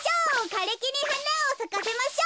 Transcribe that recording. かれきにはなをさかせましょう！」。